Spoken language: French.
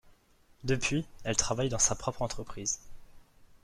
Depuis, elle travaille dans sa propre entreprise.